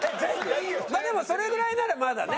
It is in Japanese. でもそれぐらいならまだね。